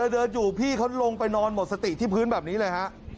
เดินอยู่พี่เขาลงไปนอนหมดสติที่พื้นแบบนี้เลยฮะ